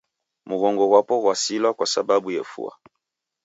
Mghongo ghw'apo ghw'asilwa kwasababu efua.